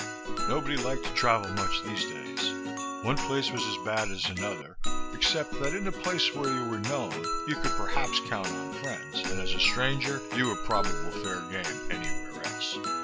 Nobody liked to travel much these days. One place was as bad as another, except that in the place where you were known you could perhaps count on friends and as a stranger you were probable fair game anywhere else.